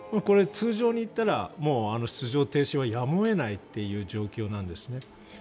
通常でいったら出場停止はやむを得ない状況なんですね。